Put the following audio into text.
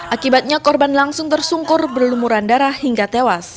akibatnya korban langsung tersungkur berlumuran darah hingga tewas